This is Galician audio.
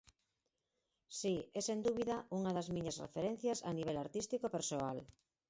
Si, é sen dúbida unha das miñas referencias a nivel artístico e persoal.